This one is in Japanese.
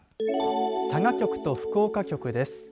佐賀局と福岡局です。